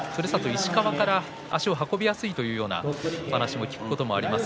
石川から足を運びやすいという話を聞くことがあります。